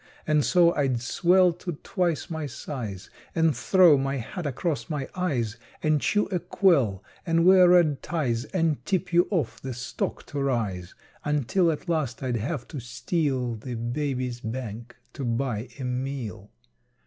And so I'd swell to twice my size, And throw my hat across my eyes, And chew a quill, and wear red ties, And tip you off the stock to rise Until, at last, I'd have to steal The baby's bank to buy a meal.